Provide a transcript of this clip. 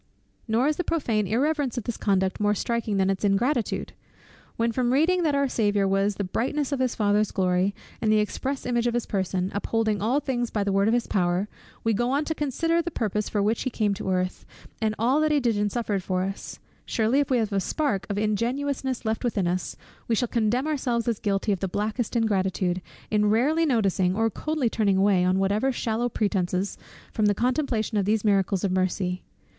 Nor is the prophane irreverence of this conduct more striking than its ingratitude. When from reading that our Saviour was "the brightness of his Father's glory, and the express image of his person, upholding all things by the word of his power," we go on to consider the purpose for which he came on earth, and all that he did and suffered for us; surely if we have a spark of ingenuousness left within us, we shall condemn ourselves as guilty of the blackest ingratitude, in rarely noticing, or coldly turning away, on whatever shallow pretences, from the contemplation of these miracles of mercy.